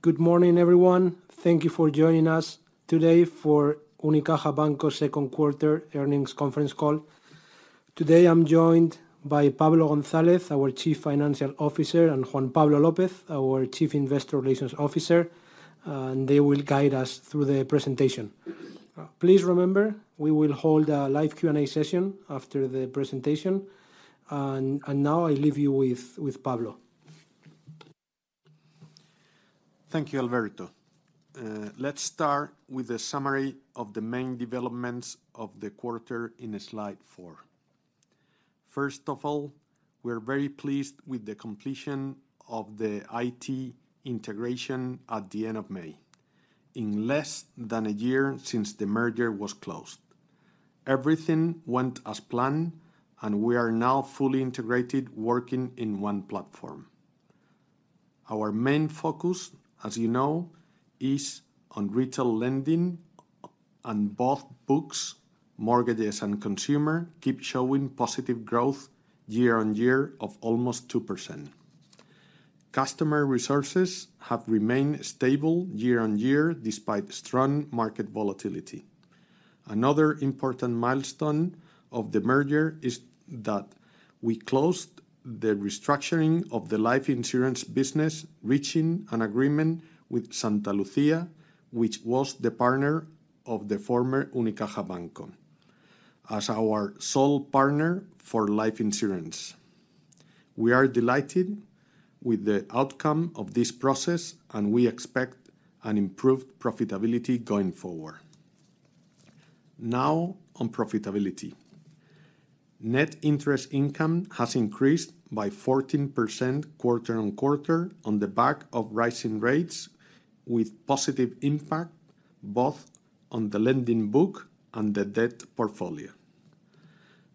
Good morning, everyone. Thank you for joining us today for Unicaja Banco second quarter earnings conference call. Today, I'm joined by Pablo González, our Chief Financial Officer, and Juan Pablo López, our Chief Investor Relations Officer, and they will guide us through the presentation. Please remember, we will hold a live Q&A session after the presentation. Now I leave you with Pablo. Thank you, Alberto. Let's start with a summary of the main developments of the quarter in slide four. First of all, we're very pleased with the completion of the IT integration at the end of May, in less than a year since the merger was closed. Everything went as planned, and we are now fully integrated, working in one platform. Our main focus, as you know, is on retail lending. And both books, mortgages and consumer, keep showing positive growth year-over-year of almost 2%. Customer resources have remained stable year-over-year despite strong market volatility. Another important milestone of the merger is that we closed the restructuring of the life insurance business, reaching an agreement with Santalucía, which was the partner of the former Unicaja Banco, as our sole partner for life insurance. We are delighted with the outcome of this process, and we expect an improved profitability going forward. Now on profitability. Net interest income has increased by 14% quarter-on-quarter on the back of rising rates with positive impact both on the lending book and the debt portfolio.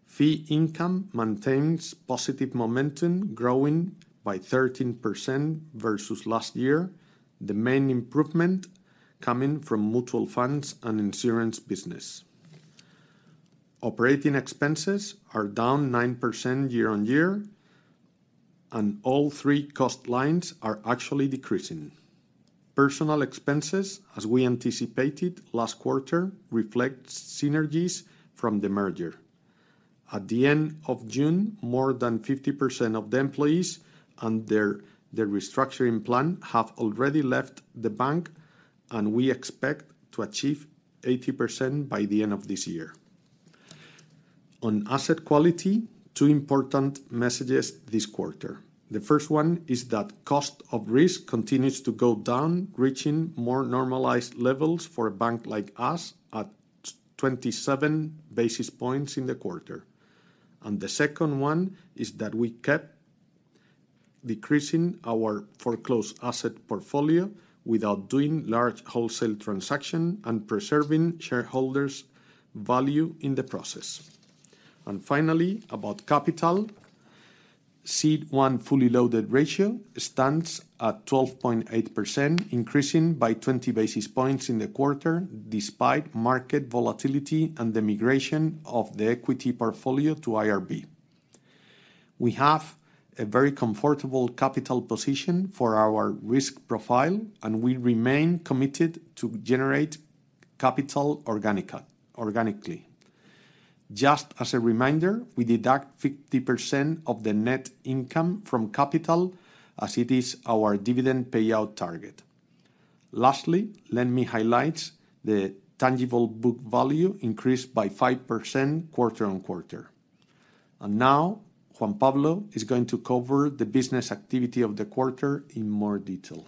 Fee income maintains positive momentum growing by 13% versus last year, the main improvement coming from mutual funds and insurance business. Operating expenses are down 9% year-on-year, and all three cost lines are actually decreasing. Personnel expenses, as we anticipated last quarter, reflects synergies from the merger. At the end of June, more than 50% of the employees under the restructuring plan have already left the bank, and we expect to achieve 80% by the end of this year. On asset quality, two important messages this quarter. The first one is that cost of risk continues to go down, reaching more normalized levels for a bank like us at 27 basis points in the quarter. The second one is that we kept decreasing our foreclosed asset portfolio without doing large wholesale transaction and preserving shareholders' value in the process. Finally, about capital. CET 1 fully loaded ratio stands at 12.8%, increasing by 20 basis points in the quarter despite market volatility and the migration of the equity portfolio to IRB. We have a very comfortable capital position for our risk profile, and we remain committed to generate capital organically. Just as a reminder, we deduct 50% of the net income from capital as it is our dividend payout target. Lastly, let me highlight the tangible book value increased by 5% quarter-on-quarter. Now, Juan Pablo is going to cover the business activity of the quarter in more detail.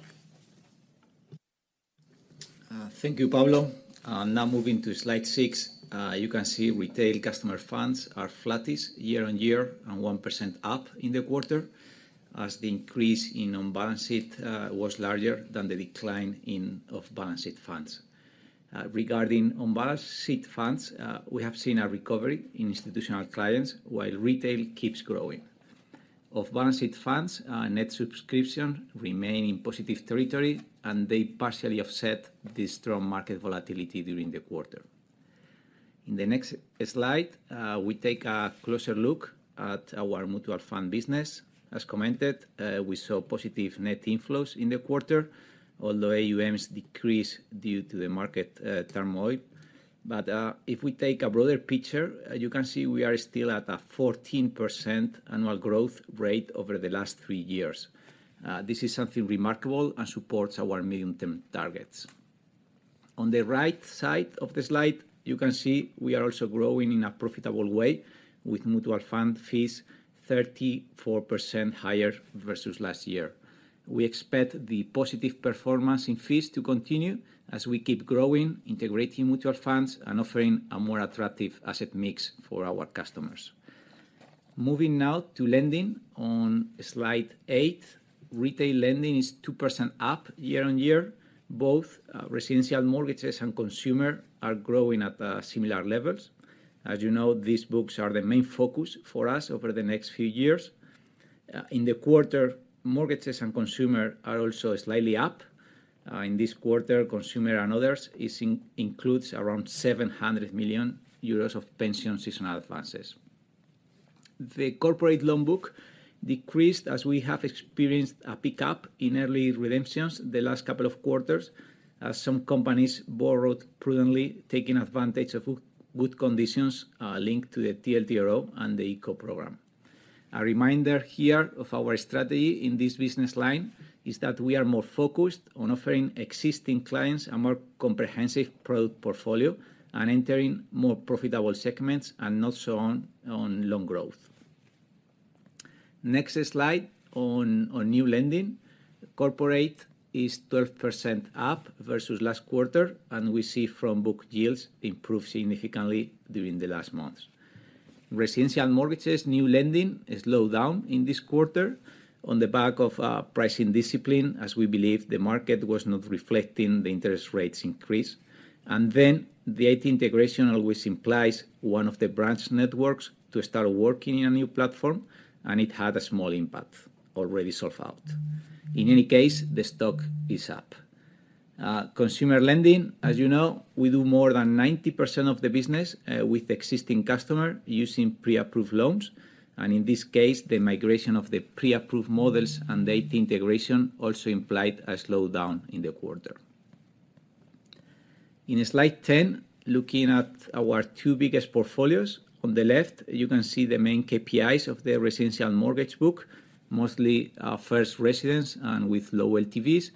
Thank you, Pablo. Now moving to slide six, you can see retail customer funds are flattish year-on-year and 1% up in the quarter as the increase in on-balance sheet was larger than the decline in off-balance sheet funds. Regarding on-balance sheet funds, we have seen a recovery in institutional clients while retail keeps growing. Off-balance sheet funds, net subscription remain in positive territory, and they partially offset the strong market volatility during the quarter. In the next slide, we take a closer look at our mutual fund business. As commented, we saw positive net inflows in the quarter, although AUMs decreased due to the market turmoil. If we take a broader picture, you can see we are still at a 14% annual growth rate over the last three years. This is something remarkable and supports our medium-term targets. On the right side of the slide, you can see we are also growing in a profitable way with mutual fund fees 34% higher versus last year. We expect the positive performance in fees to continue as we keep growing, integrating mutual funds, and offering a more attractive asset mix for our customers. Moving now to lending on slide eight. Retail lending is 2% up year-on-year. Both residential mortgages and consumer are growing at similar levels. As you know, these books are the main focus for us over the next few years. In the quarter, mortgages and consumer are also slightly up. In this quarter, consumer and others includes around 700 million euros of pension seasonal advances. The corporate loan book decreased as we have experienced a pickup in early redemptions the last couple of quarters, as some companies borrowed prudently, taking advantage of good conditions linked to the TLTRO and the ICO program. A reminder here of our strategy in this business line is that we are more focused on offering existing clients a more comprehensive product portfolio and entering more profitable segments, and not so on loan growth. Next slide on new lending. Corporate is 12% up versus last quarter, and we see book yields improved significantly during the last months. Residential mortgages, new lending is down in this quarter on the back of our pricing discipline, as we believe the market was not reflecting the interest rates increase. The IT integration always implies one of the branch networks to start working in a new platform, and it had a small impact, already sort of out. In any case, the stock is up. Consumer lending, as you know, we do more than 90% of the business with existing customer using pre-approved loans. In this case, the migration of the pre-approved models and data integration also implied a slowdown in the quarter. In slide 10, looking at our two biggest portfolios. On the left, you can see the main KPIs of the residential mortgage book, mostly first residents and with low LTVs.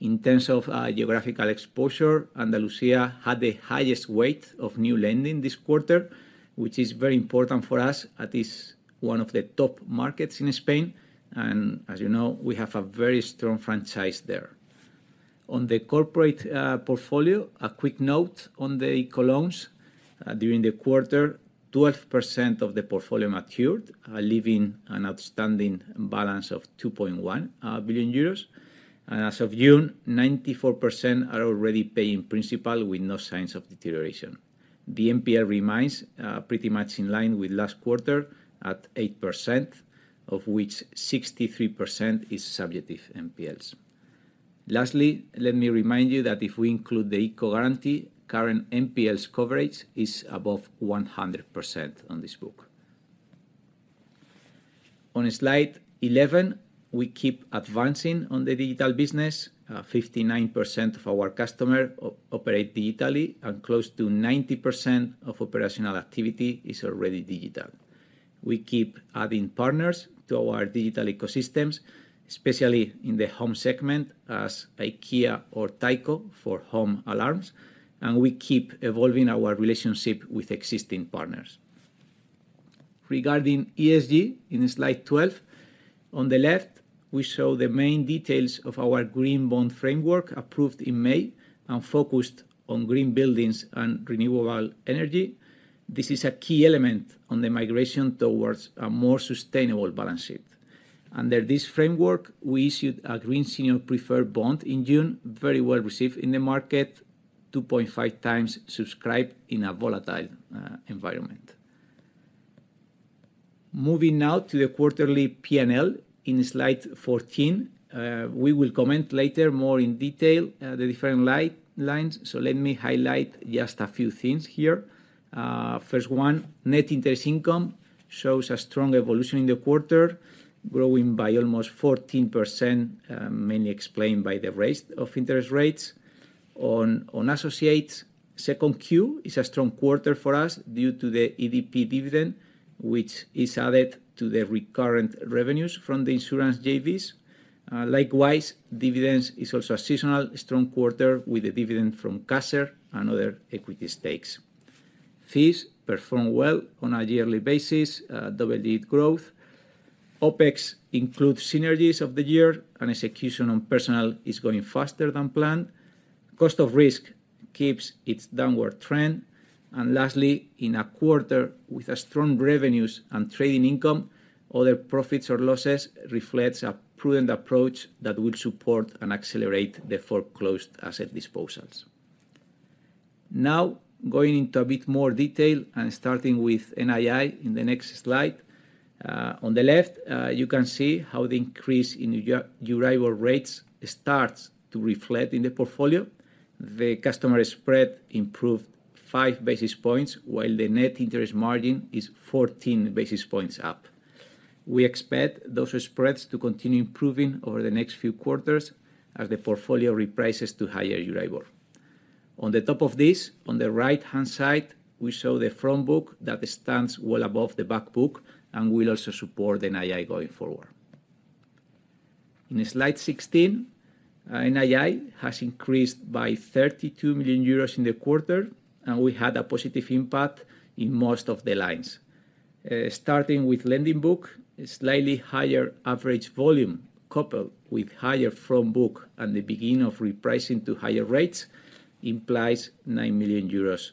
In terms of geographical exposure, Andalusia had the highest weight of new lending this quarter, which is very important for us as it is one of the top markets in Spain, and as you know, we have a very strong franchise there. On the corporate portfolio, a quick note on the ICO loans. During the quarter, 12% of the portfolio matured, leaving an outstanding balance of 2.1 billion euros. As of June, 94% are already paying principal with no signs of deterioration. The NPL remains pretty much in line with last quarter at 8%, of which 63% is subjective NPLs. Lastly, let me remind you that if we include the ICO guarantee, current NPLs coverage is above 100% on this book. On slide 11, we keep advancing on the digital business. 59% of our customers operate digitally, and close to 90% of operational activity is already digital. We keep adding partners to our digital ecosystems, especially in the home segment as IKEA or Tyco for home alarms, and we keep evolving our relationship with existing partners. Regarding ESG, in slide 12, on the left, we show the main details of our Green Bond Framework approved in May and focused on green buildings and renewable energy. This is a key element on the migration towards a more sustainable balance sheet. Under this framework, we issued a green senior preferred bond in June, very well received in the market, 2.5 times subscribed in a volatile environment. Moving now to the quarterly P&L in slide 14. We will comment later more in detail the different lines, so let me highlight just a few things here. First one, net interest income shows a strong evolution in the quarter, growing by almost 14%, mainly explained by the rise of interest rates. On associates, second Q is a strong quarter for us due to the EDP dividend, which is added to the recurrent revenues from the insurance JVs. Likewise, dividends is also a seasonal strong quarter with a dividend from Caser and other equity stakes. Fees perform well on a yearly basis, double-digit growth. OpEx includes synergies of the year and execution on personnel is going faster than planned. Cost of risk keeps its downward trend. Lastly, in a quarter with strong revenues and trading income, other profits or losses reflects a prudent approach that will support and accelerate the foreclosed asset disposals. Now, going into a bit more detail and starting with NII in the next slide. On the left, you can see how the increase in Euribor rates starts to reflect in the portfolio. The customer spread improved five basis points, while the net interest margin is 14 basis points up. We expect those spreads to continue improving over the next few quarters as the portfolio reprices to higher Euribor. On top of this, on the right-hand side, we show the front book that stands well above the back book and will also support NII going forward. In slide 16, NII has increased by 32 million euros in the quarter, and we had a positive impact in most of the lines. Starting with lending book, a slightly higher average volume coupled with higher front book and the beginning of repricing to higher rates implies 9 million euros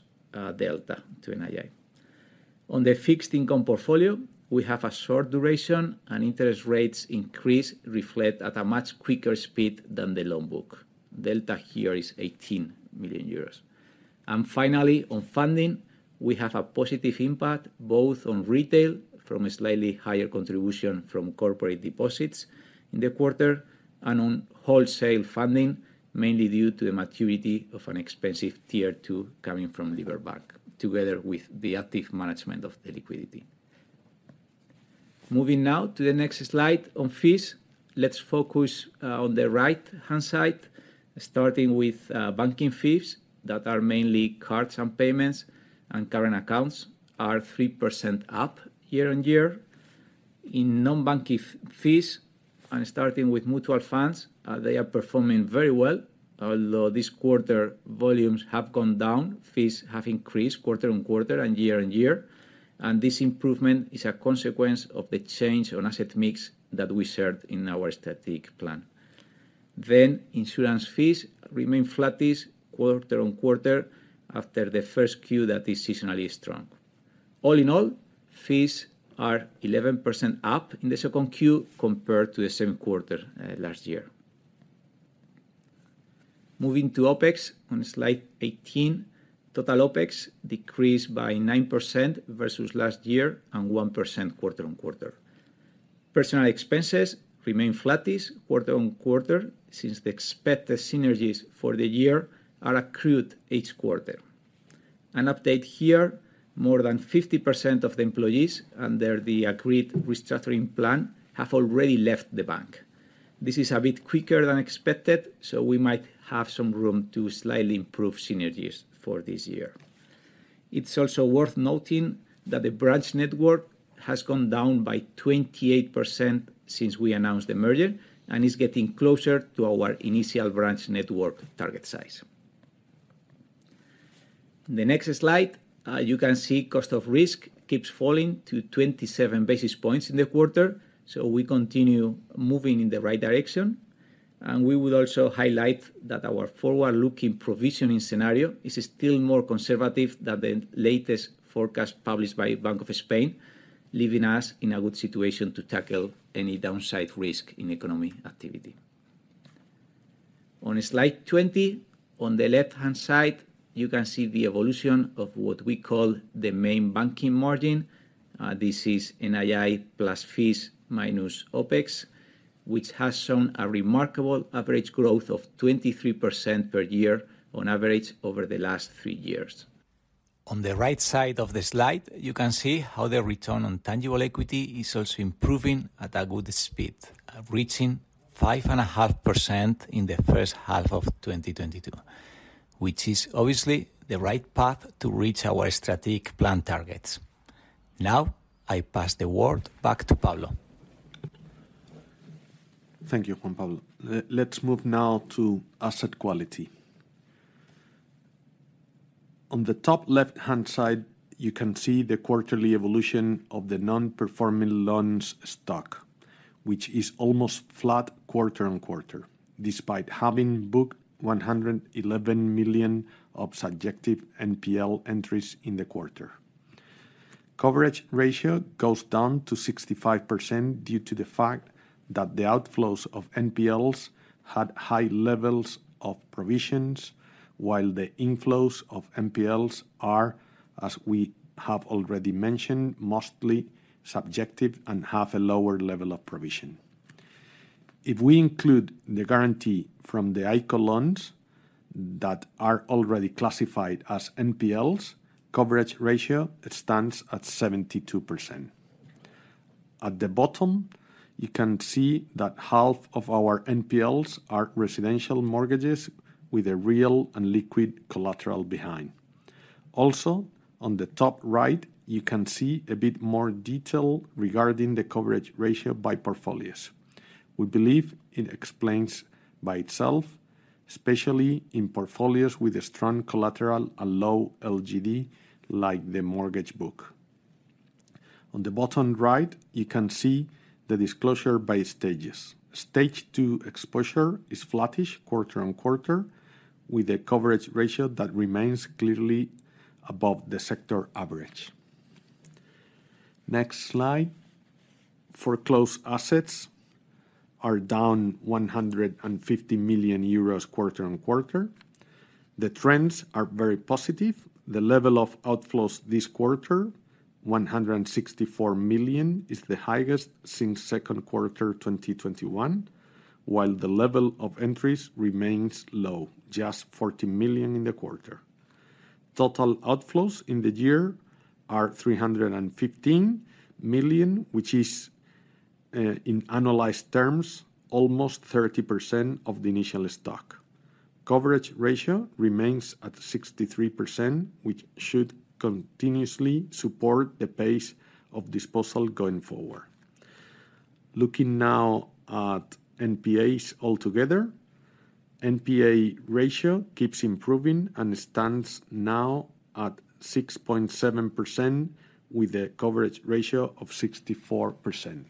delta to NII. On the fixed income portfolio, we have a short duration, and interest rate increases reflect at a much quicker speed than the loan book. Delta here is 18 million euros. Finally, on funding, we have a positive impact both on retail from a slightly higher contribution from corporate deposits in the quarter and on wholesale funding, mainly due to the maturity of an expensive Tier 2 coming from Liberbank, together with the active management of the liquidity. Moving now to the next slide on fees. Let's focus on the right-hand side, starting with banking fees that are mainly cards and payments, and current accounts are 3% up year-on-year. In non-banking fees, and starting with mutual funds, they are performing very well, although this quarter volumes have gone down, fees have increased quarter-on-quarter and year-on-year. This improvement is a consequence of the change on asset mix that we shared in our strategic plan. Insurance fees remain flattish quarter-on-quarter after the first Q that is seasonally strong. All in all, fees are 11% up in the second Q compared to the same quarter last year. Moving to OpEx on slide 18. Total OpEx decreased by 9% versus last year, and 1% quarter-on-quarter. Personnel expenses remain flattish quarter-on-quarter since the expected synergies for the year are accrued each quarter. An update here, more than 50% of the employees under the agreed restructuring plan have already left the bank. This is a bit quicker than expected, so we might have some room to slightly improve synergies for this year. It's also worth noting that the branch network has gone down by 28% since we announced the merger and is getting closer to our initial branch network target size. The next slide, you can see cost of risk keeps falling to 27 basis points in the quarter, so we continue moving in the right direction. We would also highlight that our forward-looking provisioning scenario is still more conservative than the latest forecast published by Bank of Spain, leaving us in a good situation to tackle any downside risk in economic activity. On slide 20, on the left-hand side, you can see the evolution of what we call the main banking margin. This is NII + Fees - OpEx, which has shown a remarkable average growth of 23% per year on average over the last three years. On the right side of the slide, you can see how the return on tangible equity is also improving at a good speed, reaching 5.5% in the first half of 2022, which is obviously the right path to reach our strategic plan targets. Now I pass the word back to Pablo. Thank you, Juan Pablo. Let's move now to asset quality. On the top left-hand side, you can see the quarterly evolution of the non-performing loans stock, which is almost flat quarter-on-quarter, despite having booked 111 million of subjective NPL entries in the quarter. Coverage ratio goes down to 65% due to the fact that the outflows of NPLs had high levels of provisions, while the inflows of NPLs are, as we have already mentioned, mostly subjective and have a lower level of provision. If we include the guarantee from the ICO loans that are already classified as NPLs, coverage ratio stands at 72%. At the bottom, you can see that half of our NPLs are residential mortgages with a real and liquid collateral behind. Also, on the top right, you can see a bit more detail regarding the coverage ratio by portfolios. We believe it explains by itself, especially in portfolios with a strong collateral and low LGD, like the mortgage book. On the bottom right, you can see the disclosure by stages. Stage 2 exposure is flattish quarter-on-quarter with a coverage ratio that remains clearly above the sector average. Next slide. Foreclosed assets are down 150 million euros quarter-on-quarter. The trends are very positive. The level of outflows this quarter, 164 million, is the highest since second quarter 2021, while the level of entries remains low, just 40 million in the quarter. Total outflows in the year are 315 million, which is, in annualized terms, almost 30% of the initial stock. Coverage ratio remains at 63%, which should continuously support the pace of disposal going forward. Looking now at NPAs altogether, NPA ratio keeps improving and stands now at 6.7% with a coverage ratio of 64%.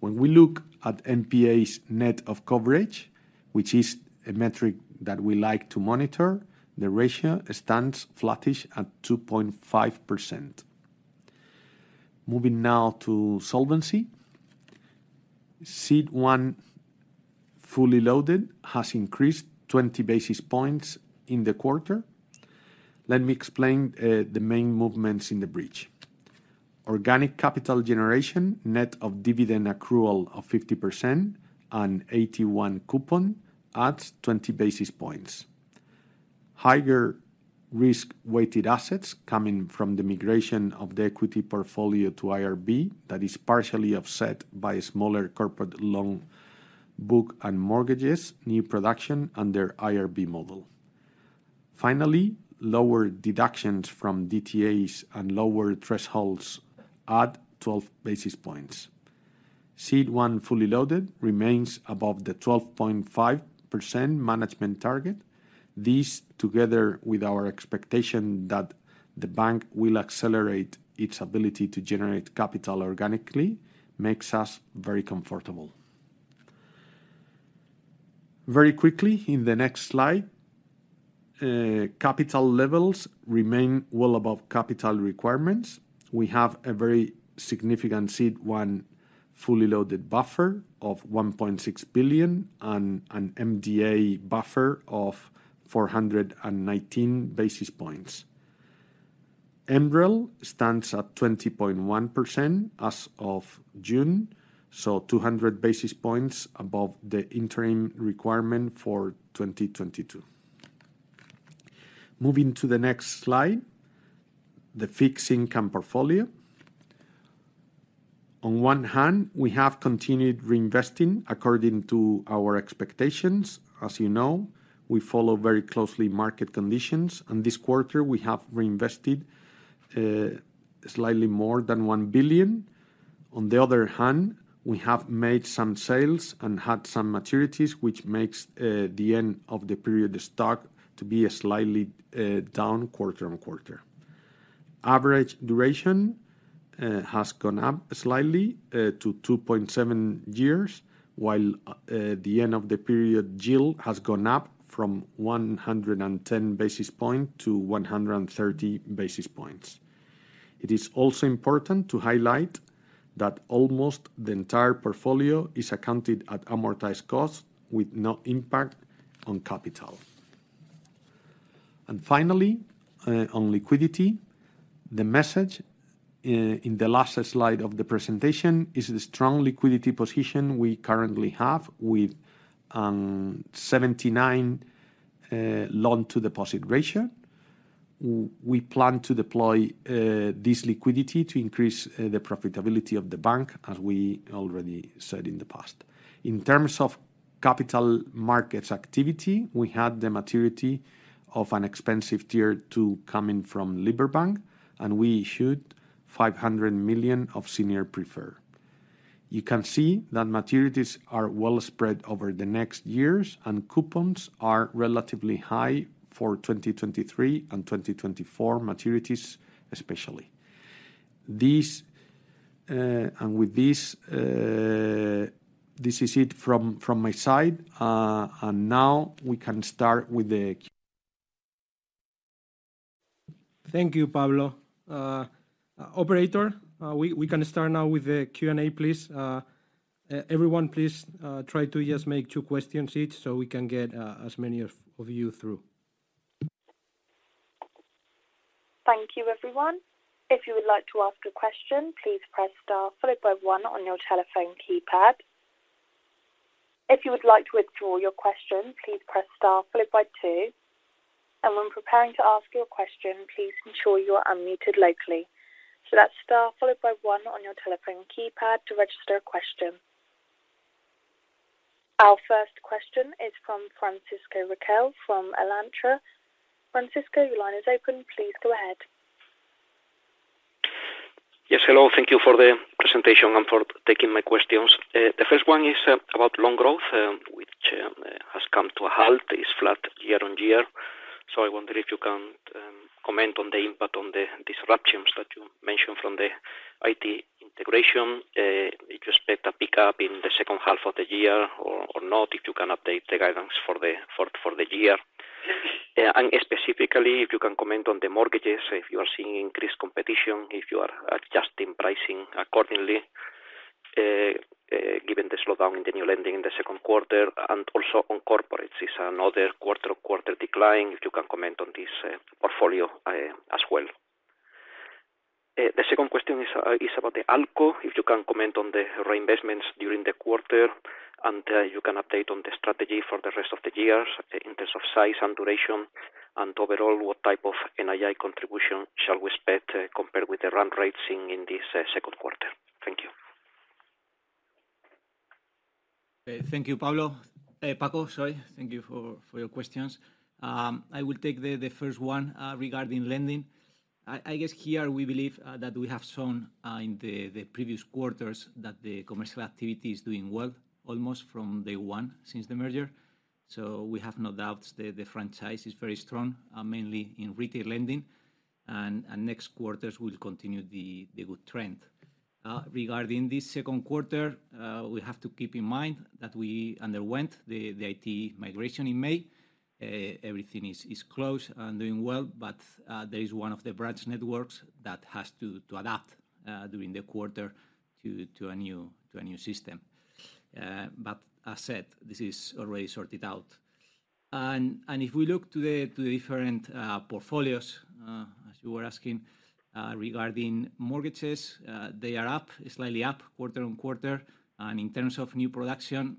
When we look at NPAs net of coverage, which is a metric that we like to monitor, the ratio stands flattish at 2.5%. Moving now to solvency. CET 1 fully loaded has increased 20 basis points in the quarter. Let me explain the main movements in the bridge. Organic capital generation, net of dividend accrual of 50% on AT1 coupon adds 20 basis points. Higher risk-weighted assets coming from the migration of the equity portfolio to IRB that is partially offset by smaller corporate loan book and mortgages, new production under IRB model. Finally, lower deductions from DTAs and lower thresholds add 12 basis points. CET 1 fully loaded remains above the 12.5% management target. This, together with our expectation that the bank will accelerate its ability to generate capital organically, makes us very comfortable. Very quickly, in the next slide, capital levels remain well above capital requirements. We have a very significant CET 1 fully loaded buffer of 1.6 billion and an MDA buffer of 419 basis points. MREL stands at 20.1% as of June, so 200 basis points above the interim requirement for 2022. Moving to the next slide, the fixed income portfolio. On one hand, we have continued reinvesting according to our expectations. As you know, we follow very closely market conditions, and this quarter we have reinvested slightly more than 1 billion. On the other hand, we have made some sales and had some maturities, which makes the end of the period stock to be a slightly down quarter-on-quarter. Average duration has gone up slightly to 2.7 years, while the end of the period yield has gone up from 110 basis points to 130 basis points. It is also important to highlight that almost the entire portfolio is accounted at amortized cost with no impact on capital. Finally, on liquidity, the message in the last slide of the presentation is the strong liquidity position we currently have with 79 loan-to-deposit ratio. We plan to deploy this liquidity to increase the profitability of the bank, as we already said in the past. In terms of capital markets activity, we had the maturity of an expensive Tier 2 coming from Liberbank, and we issued 500 million of Senior Preferred. You can see that maturities are well spread over the next years, and coupons are relatively high for 2023 and 2024 maturities especially. This, and with this is it from my side. Now we can start with the Q... Thank you, Pablo. Operator, we can start now with the Q&A, please. Everyone, please, try to just make two questions each so we can get as many of you through. Thank you, everyone. If you would like to ask a question, please press star followed by one on your telephone keypad. If you would like to withdraw your question, please press star followed by two. When preparing to ask your question, please ensure you are unmuted locally. That's star followed by one on your telephone keypad to register a question. Our first question is from Francisco Riquel from Alantra. Francisco, your line is open. Please go ahead. Yes. Hello. Thank you for the presentation and for taking my questions. The first one is about loan growth, which has come to a halt. It's flat year-on-year. I wonder if you can comment on the impact on the disruptions that you mentioned from the IT integration. You just expect a pickup in the second half of the year or not, if you can update the guidance for the year. And specifically, if you can comment on the mortgages, if you are seeing increased competition, if you are adjusting pricing accordingly, given the slowdown in the new lending in the second quarter. Also on corporates is another quarter-on-quarter decline, if you can comment on this portfolio as well. The second question is about the ALCO. If you can comment on the reinvestments during the quarter, and you can update on the strategy for the rest of the year in terms of size and duration. Overall, what type of NII contribution shall we expect, compared with the run rates in this second quarter? Thank you. Thank you, Pablo. Paco, sorry. Thank you for your questions. I will take the first one regarding lending. I guess here we believe that we have shown in the previous quarters that the commercial activity is doing well, almost from day one since the merger. We have no doubts the franchise is very strong, mainly in retail lending, and next quarters will continue the good trend. Regarding this second quarter, we have to keep in mind that we underwent the IT migration in May. Everything is close and doing well, but there is one of the branch networks that has to adapt during the quarter to a new system. But as said, this is already sorted out. If we look to the different portfolios. As you were asking, regarding mortgages, they are up, slightly up quarter-on-quarter. In terms of new production,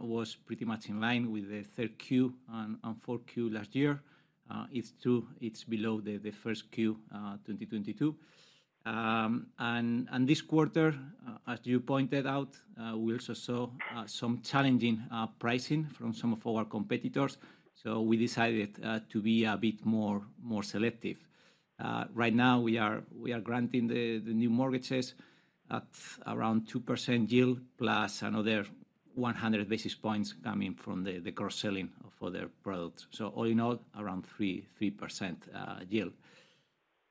was pretty much in line with the third Q and four Q last year. It's true, it's below the first Q, 2022. This quarter, as you pointed out, we also saw some challenging pricing from some of our competitors, so we decided to be a bit more selective. Right now we are granting the new mortgages at around 2% yield, plus another 100 basis points coming from the cross-selling of other products. All in all, around 3% yield.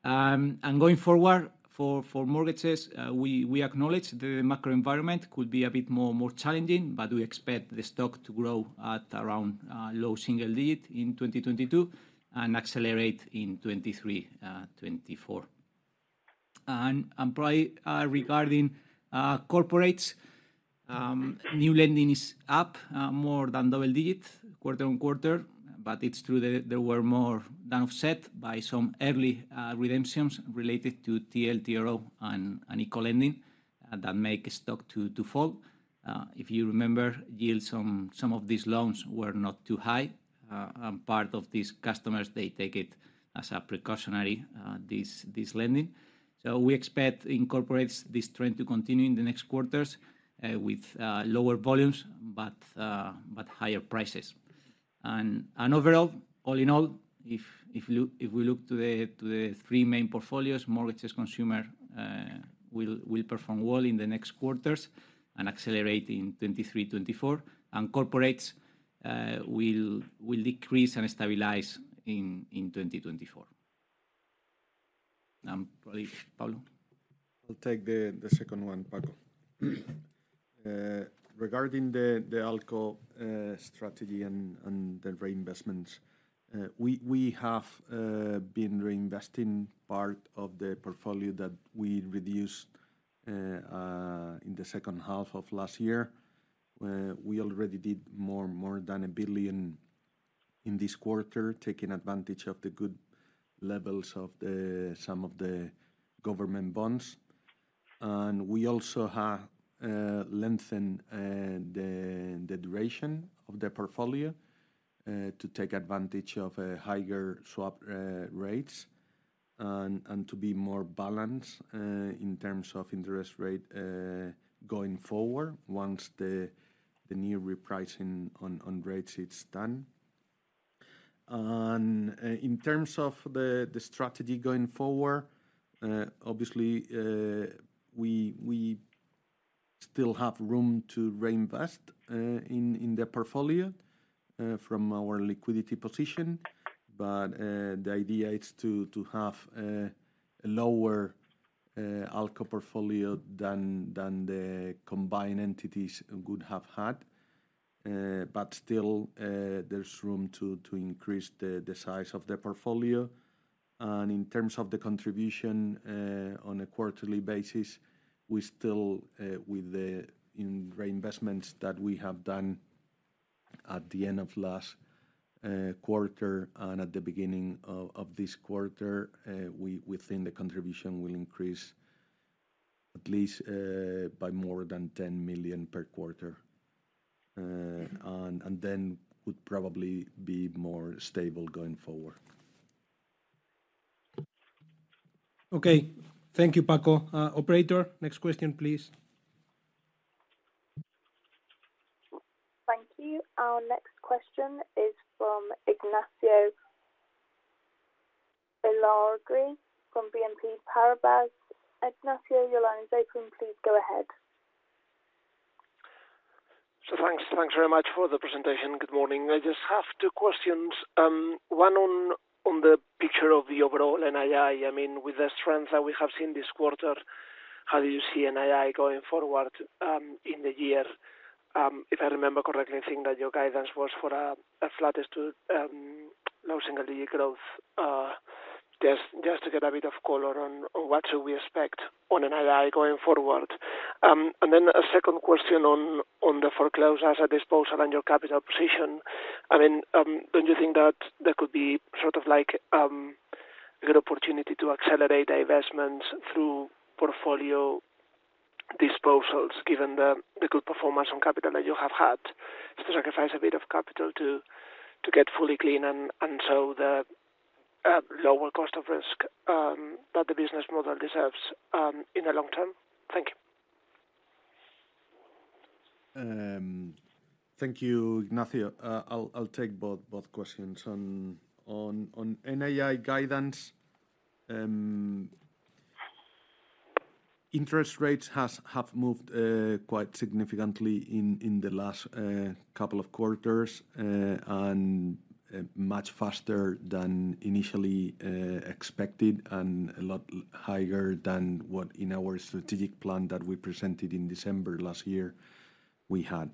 Going forward, for mortgages, we acknowledge the macro environment could be a bit more challenging, but we expect the stock to grow at around low single-digit in 2022, and accelerate in 2023, 2024. Regarding corporates, new lending is up more than double-digit quarter-on-quarter, but it's true that they were more than offset by some early redemptions related to TLTRO and ICO lending that make stock to fall. If you remember, yields on some of these loans were not too high. Part of these customers, they take it as a precautionary this lending. We expect in corporates this trend to continue in the next quarters with lower volumes, but higher prices. Overall, all in all, if we look to the three main portfolios, mortgages consumer will perform well in the next quarters and accelerate in 2023, 2024. Corporates will decrease and stabilize in 2024. Probably Pablo González. I'll take the second one, Paco. Regarding the ALCO strategy and the reinvestments, we have been reinvesting part of the portfolio that we reduced in the second half of last year. We already did more than 1 billion in this quarter, taking advantage of the good levels of some of the government bonds. We also have lengthened the duration of the portfolio to take advantage of higher swap rates and to be more balanced in terms of interest rate going forward once the new repricing on rates is done. In terms of the strategy going forward, obviously, we still have room to reinvest in the portfolio from our liquidity position. The idea is to have a lower ALCO portfolio than the combined entities would have had. Still, there's room to increase the size of the portfolio. In terms of the contribution, on a quarterly basis, we still with the reinvestments that we have done at the end of last quarter and at the beginning of this quarter, we think the contribution will increase at least by more than 10 million per quarter. Then would probably be more stable going forward. Okay. Thank you, Paco. Operator, next question, please. Thank you. Our next question is from Ignacio Ulargui from BNP Paribas. Ignacio, your line is open, please go ahead. Thanks very much for the presentation. Good morning. I just have two questions. One on the picture of the overall NII. I mean, with the strength that we have seen this quarter, how do you see NII going forward in the year? If I remember correctly, I think that your guidance was for a flat to low single digit growth. Just to get a bit of color on what should we expect on NII going forward. A second question on the foreclosed asset disposal and your capital position. I mean, don't you think that there could be sort of like a good opportunity to accelerate divestments through portfolio disposals given the good performance on capital that you have had, to sacrifice a bit of capital to get fully clean and show the lower cost of risk that the business model deserves in the long term? Thank you. Thank you, Ignacio. I'll take both questions. On NII guidance, interest rates have moved quite significantly in the last couple of quarters, and much faster than initially expected and a lot higher than what in our strategic plan that we presented in December last year we had.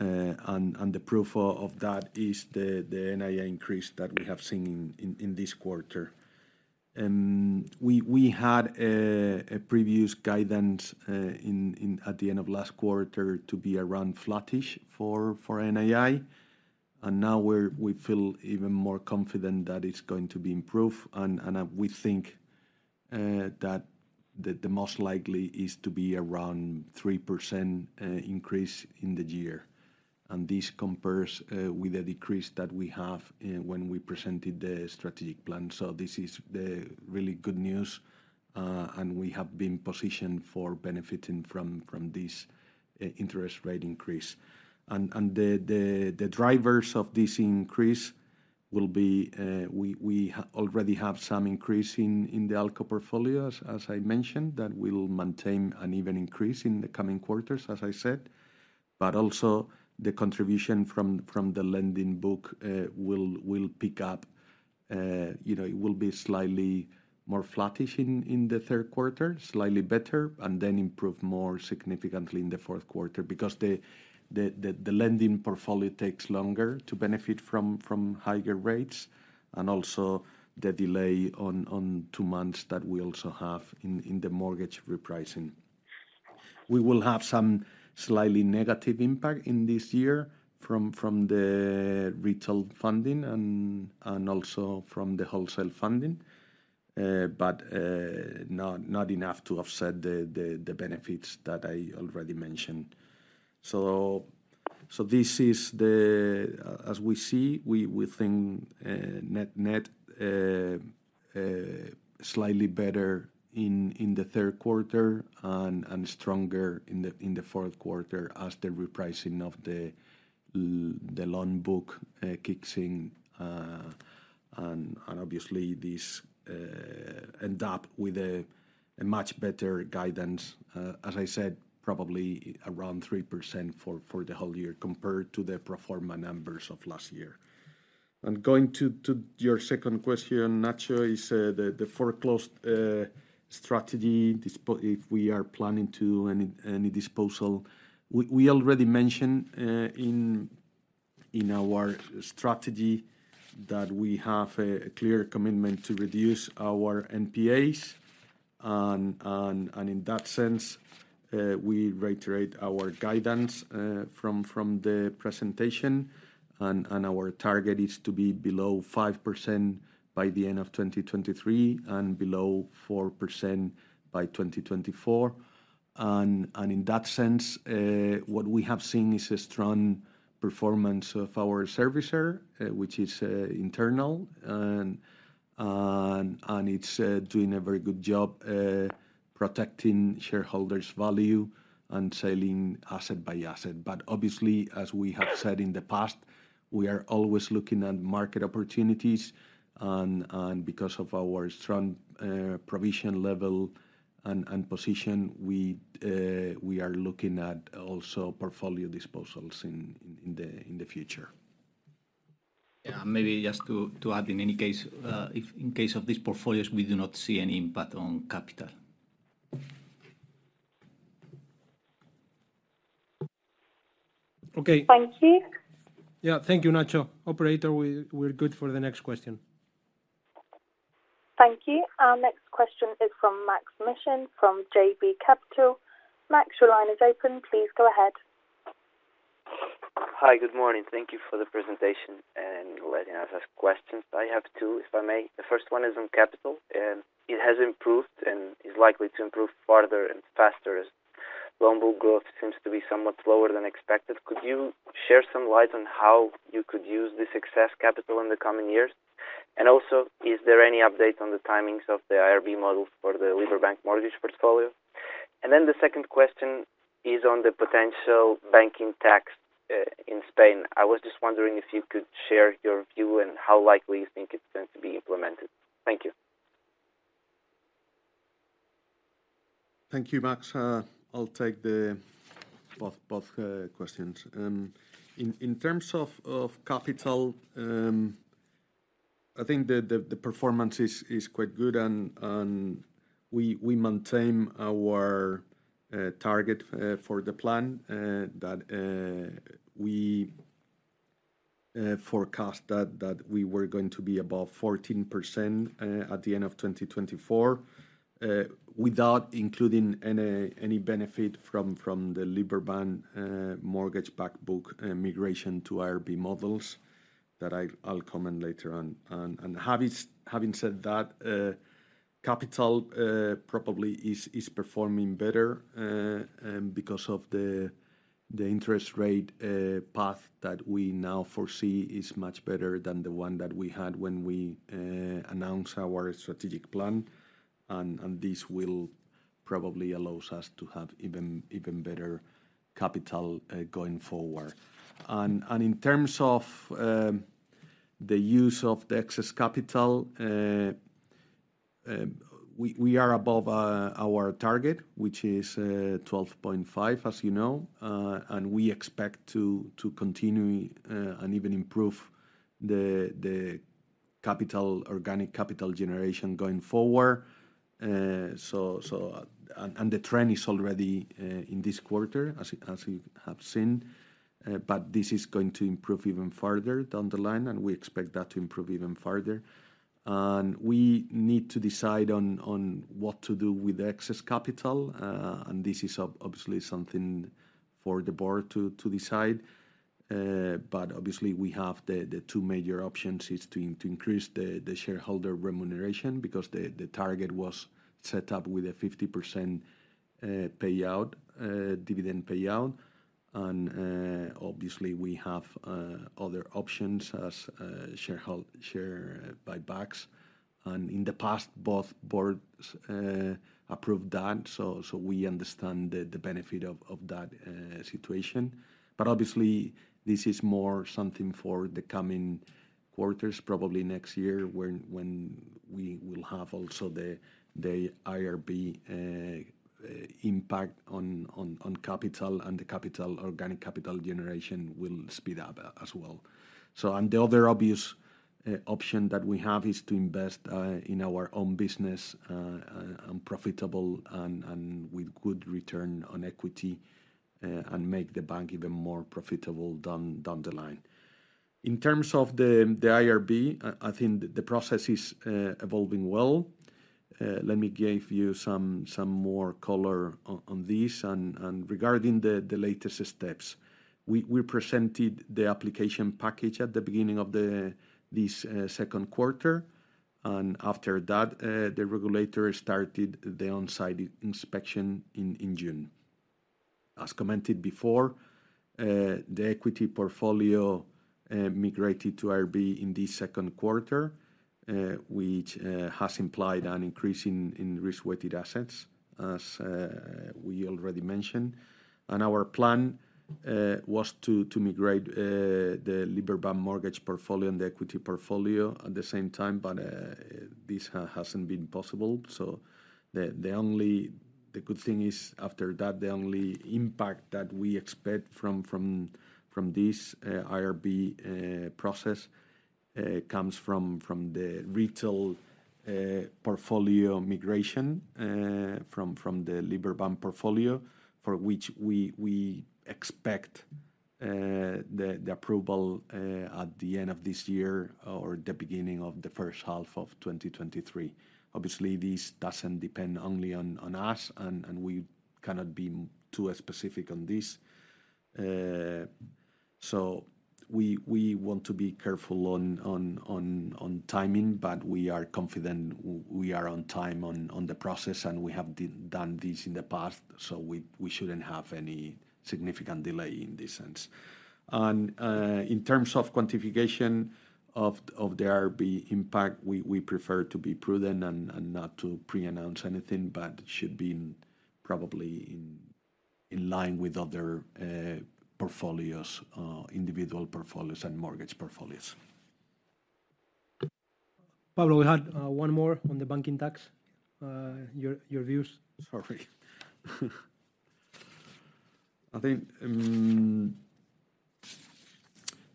And the proof of that is the NII increase that we have seen in this quarter. We had a previous guidance in at the end of last quarter to be around flattish for NII. Now we feel even more confident that it's going to be improved and we think that the most likely is to be around 3% increase in the year. This compares with the decrease that we had when we presented the strategic plan. This is the really good news, and we have been positioned for benefiting from this interest rate increase. The drivers of this increase will be, we already have some increase in the ALCO portfolios, as I mentioned, that we will maintain an even increase in the coming quarters, as I said. Also the contribution from the lending book will pick up. You know, it will be slightly more flattish in the third quarter, slightly better, and then improve more significantly in the fourth quarter because the lending portfolio takes longer to benefit from higher rates, and also the delay on two months that we also have in the mortgage repricing. We will have some slightly negative impact in this year from the retail funding and also from the wholesale funding. Not enough to offset the benefits that I already mentioned. This is, as we see, we think net slightly better in the third quarter and stronger in the fourth quarter as the repricing of the loan book kicks in. Obviously this ends up with a much better guidance, as I said, probably around 3% for the whole year compared to the pro forma numbers of last year. Going to your second question, Nacio, is the foreclosed strategy if we are planning any disposal. We already mentioned in our strategy that we have a clear commitment to reduce our NPAs. In that sense, we reiterate our guidance from the presentation and our target is to be below 5% by the end of 2023 and below 4% by 2024. In that sense, what we have seen is a strong performance of our servicer, which is internal and it's doing a very good job protecting shareholders value and selling asset by asset. Obviously, as we have said in the past, we are always looking at market opportunities and because of our strong provision level and position, we are looking at also portfolio disposals in the future. Yeah. Maybe just to add, in any case, if in case of these portfolios, we do not see any impact on capital. Okay. Thank you. Yeah. Thank you, Nacio. Operator, we're good for the next question. Thank you. Our next question is from Maksym Mishyn, from JB Capital. Maks, your line is open. Please go ahead. Hi. Good morning. Thank you for the presentation and letting us ask questions. I have two, if I may. The first one is on capital. It has improved and is likely to improve further and faster as loan book growth seems to be somewhat slower than expected. Could you share some light on how you could use this excess capital in the coming years? Is there any update on the timings of the IRB models for the Liberbank mortgage portfolio? The second question is on the potential banking tax in Spain. I was just wondering if you could share your view and how likely you think it's going to be implemented. Thank you. Thank you, Maks. I'll take both questions. In terms of capital, I think the performance is quite good and we maintain our target for the plan that we forecast that we were going to be above 14% at the end of 2024 without including any benefit from the Liberbank mortgage-backed book migration to IRB models that I'll comment later on. Having said that, capital probably is performing better because of the interest rate path that we now foresee is much better than the one that we had when we announced our strategic plan, and this will probably allows us to have even better capital going forward. In terms of the use of the excess capital, we are above our target, which is 12.5%, as you know, and we expect to continue and even improve the organic capital generation going forward. The trend is already in this quarter as you have seen, but this is going to improve even further down the line, and we expect that to improve even further. We need to decide on what to do with excess capital. This is obviously something for the board to decide. But obviously we have the two major options is to increase the shareholder remuneration because the target was set up with a 50% payout, dividend payout. Obviously we have other options as share buybacks. In the past, both boards approved that, so we understand the benefit of that situation. Obviously this is more something for the coming quarters, probably next year when we will have also the IRB impact on capital and the capital organic capital generation will speed up as well. The other obvious option that we have is to invest in our own business and profitable and with good return on equity and make the bank even more profitable down the line. In terms of the IRB, I think the process is evolving well. Let me give you some more color on this and regarding the latest steps. We presented the application package at the beginning of this second quarter, and after that, the regulator started the on-site inspection in June. As commented before, the equity portfolio migrated to IRB in the second quarter, which has implied an increase in risk-weighted assets, as we already mentioned. Our plan was to migrate the Liberbank mortgage portfolio and the equity portfolio at the same time, but this hasn't been possible. The good thing is after that, the only impact that we expect from this IRB process comes from the retail portfolio migration from the Liberbank portfolio, for which we expect the approval at the end of this year or the beginning of the first half of 2023. Obviously, this doesn't depend only on us, and we cannot be too specific on this. We want to be careful on timing, but we are confident we are on time on the process, and we have done this in the past, so we shouldn't have any significant delay in this sense. In terms of quantification of the IRB impact, we prefer to be prudent and not to pre-announce anything, but should be, probably, in line with other portfolios, individual portfolios and mortgage portfolios. Pablo, we had one more on the banking tax. Your views. Sorry. I think,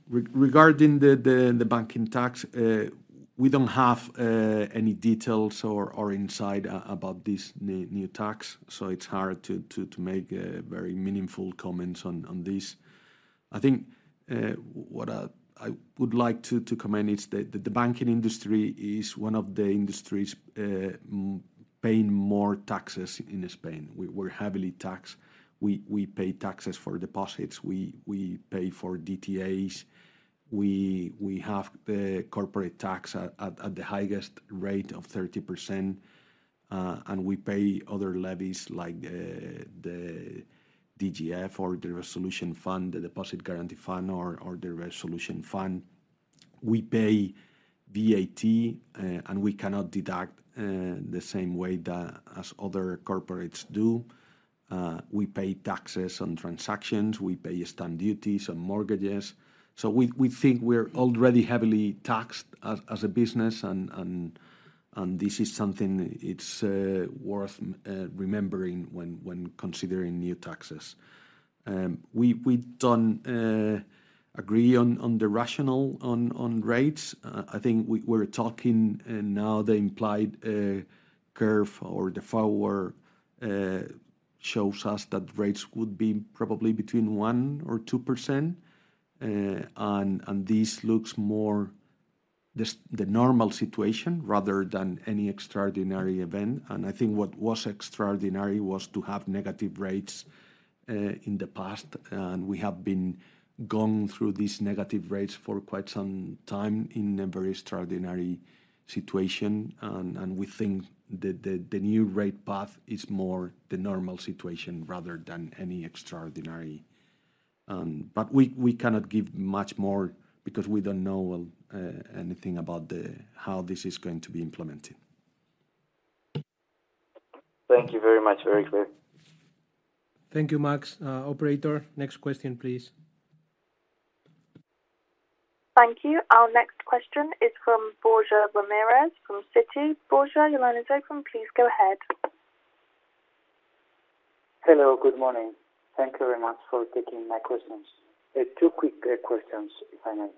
regarding the banking tax, we don't have any details or insight about this new tax, so it's hard to make very meaningful comments on this. I think, what I would like to comment is the banking industry is one of the industries paying more taxes in Spain. We're heavily taxed. We pay taxes for deposits. We pay for DTAs. We have the corporate tax at the highest rate of 30%, and we pay other levies like the DGF or the resolution fund, the Deposit Guarantee Fund or the resolution fund. We pay VAT, and we cannot deduct the same way as other corporates do. We pay taxes on transactions. We pay stamp duties on mortgages. We think we're already heavily taxed as a business and this is something it's worth remembering when considering new taxes. We don't agree on the rationale for rates. I think we're talking now. The implied curve or the forward shows us that rates would be probably between 1%-2%. This looks more like the normal situation rather than any extraordinary event. I think what was extraordinary was to have negative rates in the past. We have gone through these negative rates for quite some time in a very extraordinary situation. We think the new rate path is more like the normal situation rather than any extraordinary. We cannot give much more because we don't know anything about how this is going to be implemented. Thank you very much. Very clear. Thank you, Maks. Operator, next question, please. Thank you. Our next question is from Borja Ramirez from Citi. Borja, your line is open. Please go ahead. Hello, good morning. Thank you very much for taking my questions. Two quick questions, if I may.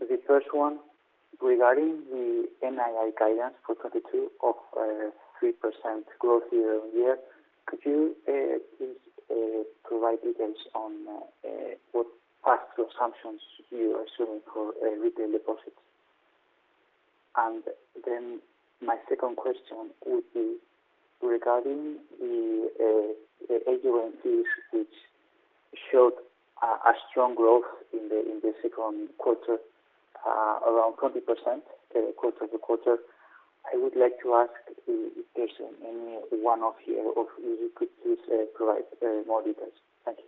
The first one, regarding the NII guidance for 2022 of 3% growth year-on-year. Could you please provide details on what are the assumptions you are assuming for retail deposits? My second question would be regarding the AUM fees, which showed a strong growth in the second quarter, around 20%, quarter-over-quarter. I would like to ask if there's any one of you who could please provide more details. Thank you.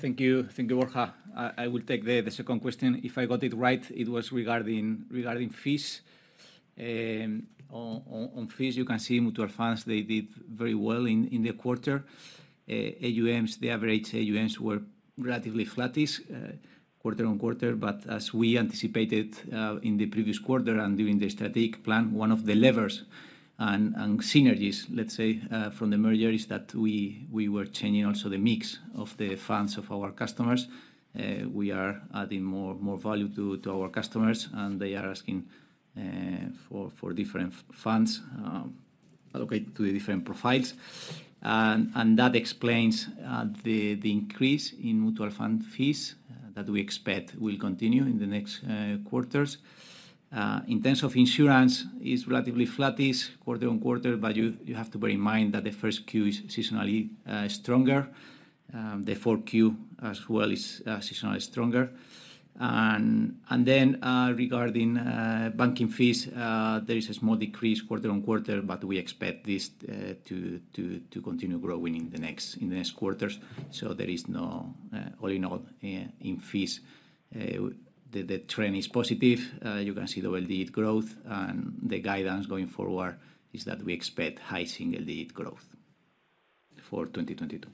Thank you. Thank you, Borja. I will take the second question. If I got it right, it was regarding fees. On fees, you can see mutual funds, they did very well in the quarter. AUMs, the average AUMs were relatively flattish, quarter-on-quarter. As we anticipated in the previous quarter and during the strategic plan, one of the levers and synergies, let's say, from the merger is that we were changing also the mix of the funds of our customers. We are adding more value to our customers, and they are asking for different funds allocated to the different profiles. That explains the increase in mutual fund fees that we expect will continue in the next quarters. In terms of insurance, it's relatively flattish quarter-over-quarter, but you have to bear in mind that the first Q is seasonally stronger. The fourth Q as well is seasonally stronger. Regarding banking fees, there is a small decrease quarter-over-quarter, but we expect this to continue growing in the next quarters. All in all, in fees, the trend is positive. You can see the double-digit growth and the guidance going forward is that we expect high single-digit growth for 2022.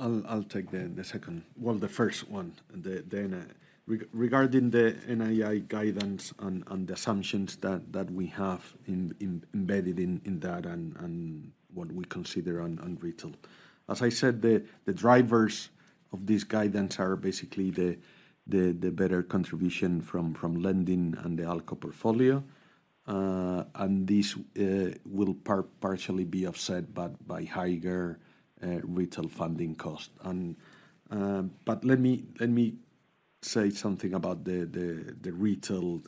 I'll take the first one, then, regarding the NII guidance and the assumptions that we have embedded in that and what we consider on retail. As I said, the drivers of this guidance are basically the better contribution from lending and the ALCO portfolio. This will partially be offset by higher retail funding costs. Let me say something about the retail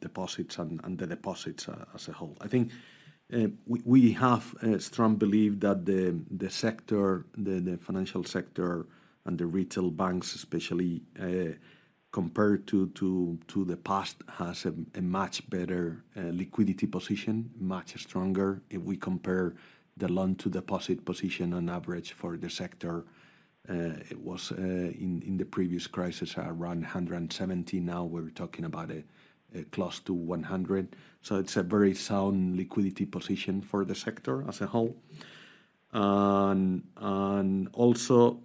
deposits and the deposits as a whole. I think we have a strong belief that the sector, the financial sector and the retail banks especially, compared to the past, has a much better liquidity position, much stronger. If we compare the loan to deposit position on average for the sector, it was in the previous crisis around 170. Now we're talking about close to 100. It's a very sound liquidity position for the sector as a whole. Also,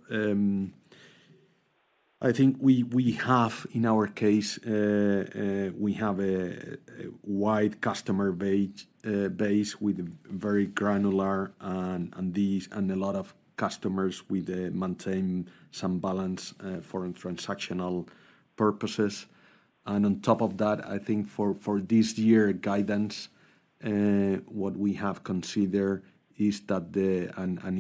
I think we have in our case a wide customer base with very granular and diverse and a lot of customers who maintain some balance for transactional purposes. On top of that, I think for this year guidance what we have considered is that the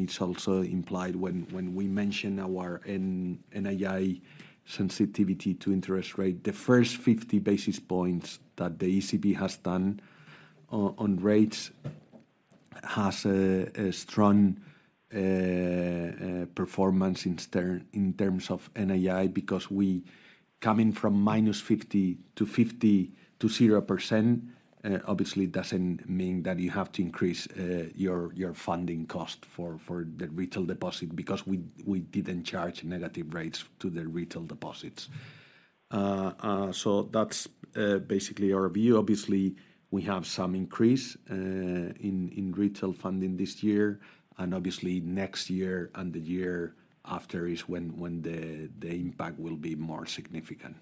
It's also implied when we mention our NII sensitivity to interest rate, the first 50 basis points that the ECB has done on rates has a strong performance in terms of NII because we coming from -50% to 50% to 0%, obviously doesn't mean that you have to increase your funding cost for the retail deposit because we didn't charge negative rates to the retail deposits. So that's basically our view. Obviously, we have some increase in retail funding this year, and obviously next year and the year after is when the impact will be more significant.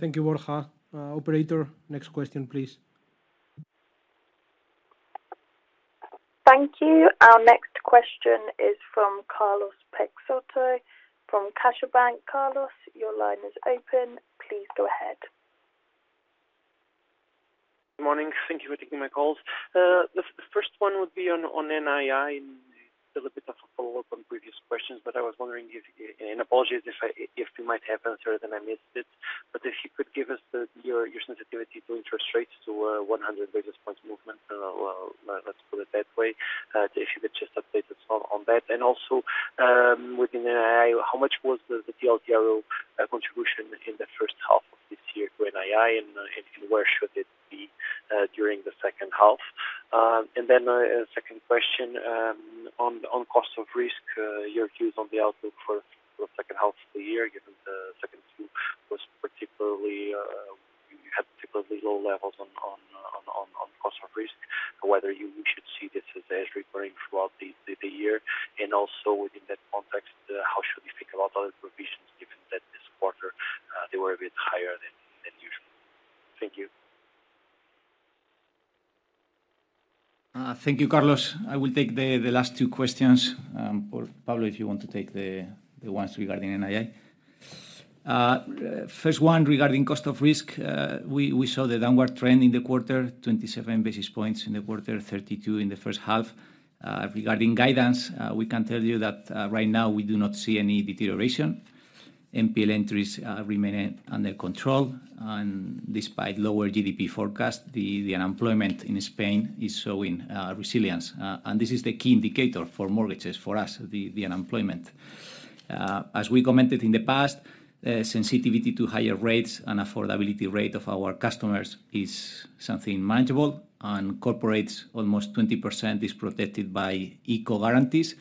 Thank you, Borja. Operator, next question, please. Thank you. Our next question is from Carlos Peixoto from CaixaBank. Carlos, your line is open. Please go ahead. Morning. Thank you for taking my calls. The first one would be on NII and a little bit of a follow-up on previous questions, but I was wondering if, and apologies if I, you might have answered and I missed it, but if you could give us your sensitivity to interest rates to 100 basis points movement, well, let's put it that way. If you could just update us on that. Also, within NII, how much was the TLTRO contribution in the first half of this year to NII, and where should it be during the second half? A second question on cost of risk, your views on the outlook for the second half of the year, given that Q2 had particularly low levels on cost of risk, whether you should see this as recurring throughout the year. Also within that context, how should we think about other provisions given that this quarter they were a bit higher than usual? Thank you. Thank you, Carlos. I will take the last two questions. Or Pablo, if you want to take the ones regarding NII. First one regarding cost of risk. We saw the downward trend in the quarter, 27 basis points in the quarter, 32 basis points in the first half. Regarding guidance, we can tell you that right now we do not see any deterioration. NPL entries remaining under control and despite lower GDP forecast, the unemployment in Spain is showing resilience. This is the key indicator for mortgages for us, the unemployment. As we commented in the past, sensitivity to higher rates and affordability rate of our customers is something manageable, and corporates, almost 20% is protected by ICO guarantees.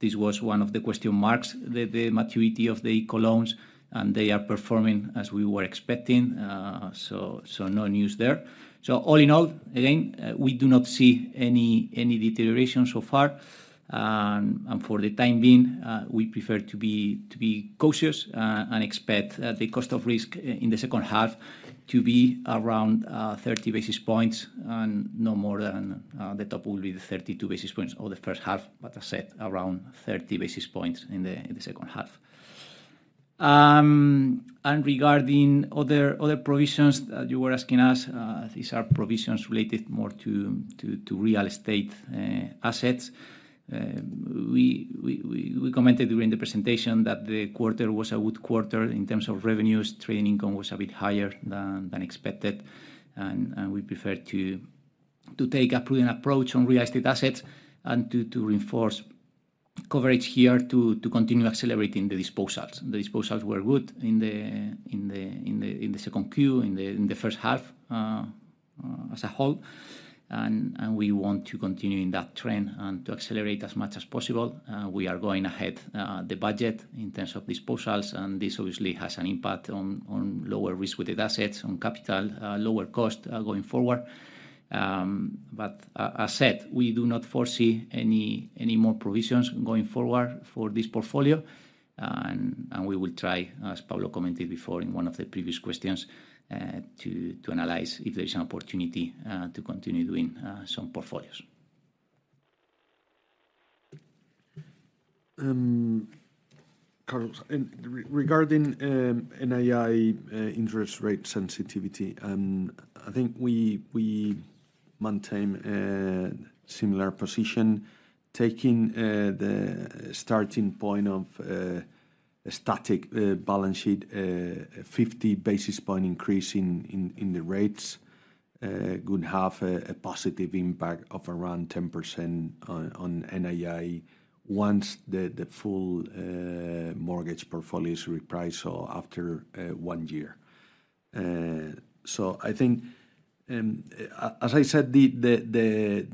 This was one of the question marks, the maturity of the ICO loans, and they are performing as we were expecting. No news there. All in all, again, we do not see any deterioration so far. For the time being, we prefer to be cautious and expect the cost of risk in the second half to be around 30 basis points and no more than the top will be the 32 basis points or the first half. I said around 30 basis points in the second half. Regarding other provisions that you were asking us, these are provisions related more to real estate assets. We commented during the presentation that the quarter was a good quarter in terms of revenues. Trade income was a bit higher than expected, and we prefer to take a prudent approach on real estate assets and to reinforce coverage here to continue accelerating the disposals. The disposals were good in the second Q, in the first half, as a whole. We want to continue in that trend and to accelerate as much as possible. We are going ahead of the budget in terms of disposals, and this obviously has an impact on lower risk-weighted assets, on capital, lower costs going forward. But as said, we do not foresee any more provisions going forward for this portfolio. We will try, as Pablo commented before in one of the previous questions, to analyze if there is an opportunity to continue doing some portfolios. Carlos, regarding NII, interest rate sensitivity, I think we maintain a similar position, taking the starting point of a static balance sheet, 50 basis point increase in the rates could have a positive impact of around 10% on NII once the full mortgage portfolio is repriced or after one year. I think, as I said, the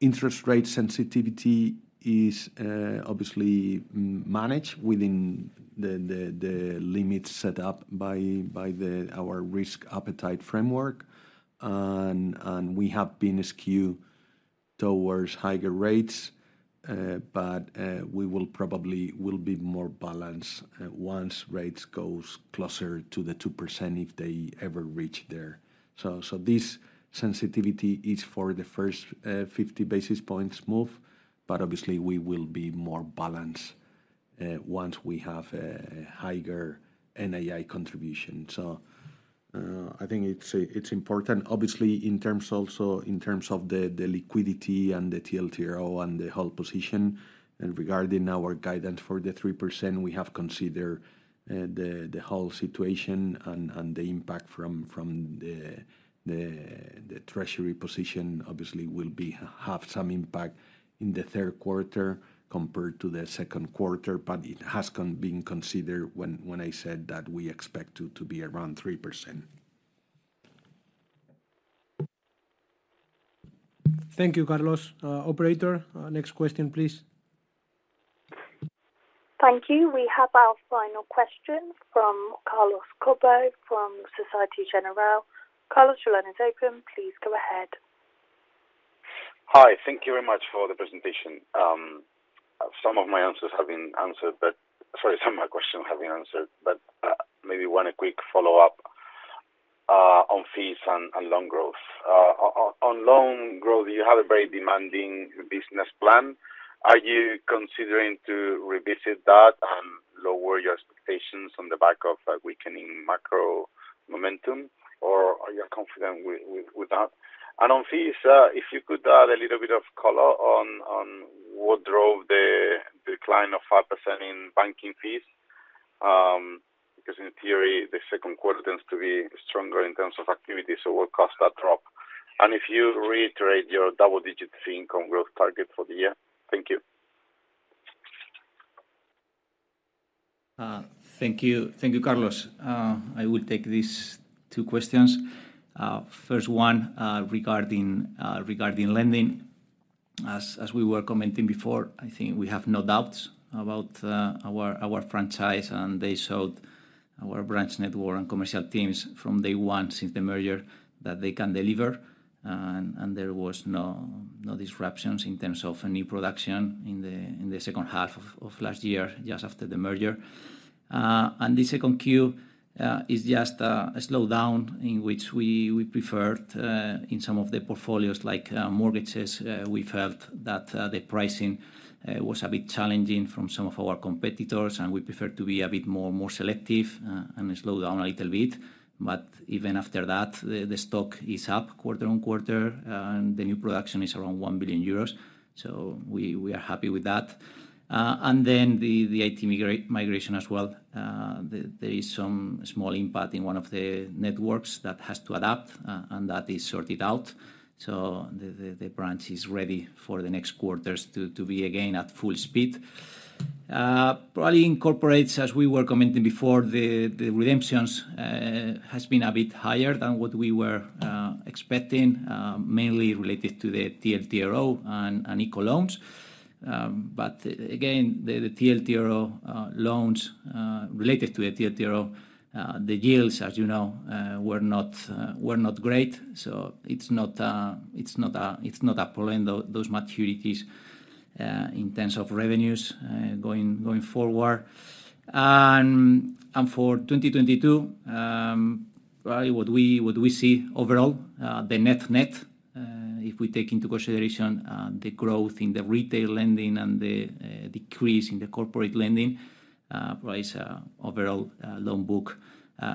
interest rate sensitivity is obviously managed within the limits set up by our Risk Appetite Framework. We have been skewed towards higher rates, but we will probably be more balanced once rates goes closer to the 2%, if they ever reach there. This sensitivity is for the first 50 basis points move, but obviously we will be more balanced once we have a higher NII contribution. I think it's important obviously in terms also in terms of the liquidity and the TLTRO and the whole position. Regarding our guidance for the 3%, we have considered the whole situation and the impact from the treasury position obviously will have some impact in the third quarter compared to the second quarter. It has been considered when I said that we expect to be around 3%. Thank you, Carlos. Operator, next question, please. Thank you. We have our final question from Carlos Cobo from Societe Generale. Carlos, your line is open. Please go ahead. Hi. Thank you very much for the presentation. Some of my questions have been answered, but maybe one quick follow-up on fees and loan growth. On loan growth, you have a very demanding business plan. Are you considering to revisit that and lower your expectations on the back of a weakening macro momentum, or are you confident with that? On fees, if you could add a little bit of color on what drove the decline of 5% in banking fees. Because in theory, the second quarter tends to be stronger in terms of activity, so what caused that drop? If you reiterate your double-digit fee income growth target for the year. Thank you. Thank you. Thank you, Carlos. I will take these two questions. First one, regarding lending. As we were commenting before, I think we have no doubts about our franchise, and they showed our branch network and commercial teams from day one since the merger that they can deliver, and there was no disruptions in terms of any production in the second half of last year, just after the merger. The second Q is just a slowdown in which we preferred in some of the portfolios, like, mortgages, we felt that the pricing was a bit challenging from some of our competitors, and we preferred to be a bit more selective, and slow down a little bit. Even after that, the stock is up quarter-over-quarter and the new production is around 1 billion euros. So we are happy with that. And then the IT migration as well. There is some small impact in one of the networks that has to adapt, and that is sorted out. So the branch is ready for the next quarters to be again at full speed. Probably incorporates, as we were commenting before, the redemptions has been a bit higher than what we were expecting, mainly related to the TLTRO and ICO loans. But again, the TLTRO loans related to the TLTRO, the yields, as you know, were not great. It's not a problem, those maturities, in terms of revenues, going forward. For 2022, probably what we see overall, the net-net, if we take into consideration, the growth in the retail lending and the decrease in the corporate lending pricing overall loan book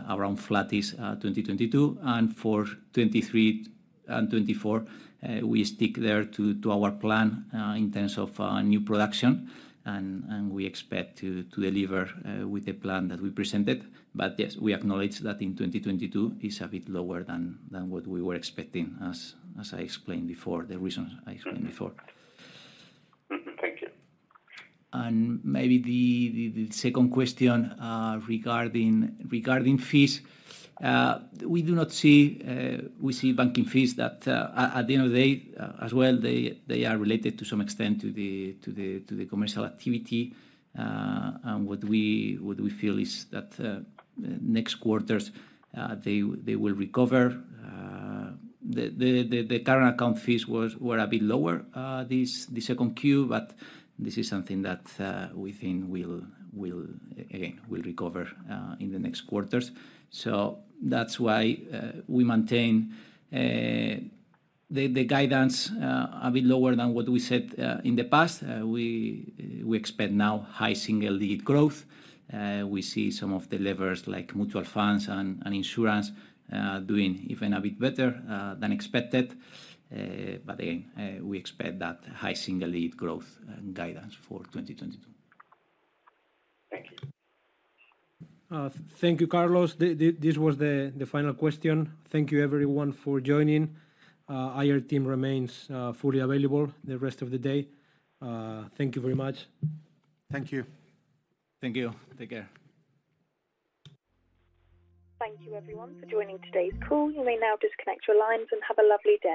around flattish 2022. For 2023 and 2024, we stick to our plan, in terms of new production and we expect to deliver with the plan that we presented. Yes, we acknowledge that in 2022 is a bit lower than what we were expecting, as I explained before, the reasons I explained before. Maybe the second question regarding fees. We see banking fees that, at the end of the day, as well, they are related to some extent to the commercial activity. What we feel is that next quarters, they will recover. The current account fees were a bit lower this second Q, but this is something that we think will recover in the next quarters. That's why we maintain the guidance a bit lower than what we said in the past. We expect now high single-digit growth. We see some of the levers like mutual funds and insurance doing even a bit better than expected. Again, we expect that high single-digit growth and guidance for 2022. Thank you, Carlos. This was the final question. Thank you everyone for joining. IR team remains fully available the rest of the day. Thank you very much. Thank you. Thank you. Take care. Thank you everyone for joining today's call. You may now disconnect your lines, and have a lovely day.